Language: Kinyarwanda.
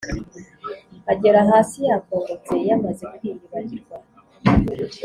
Agera hasi yakongotse yamaze kwiyibagirwa